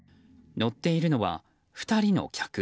乗っているのは２人の客。